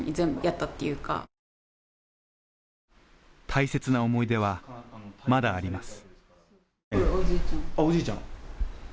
大切な思い出は、まだあります。